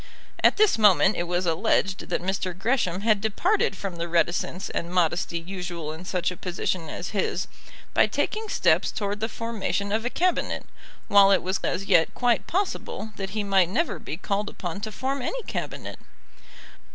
At this moment it was alleged that Mr. Gresham had departed from the reticence and modesty usual in such a position as his, by taking steps towards the formation of a Cabinet, while it was as yet quite possible that he might never be called upon to form any Cabinet.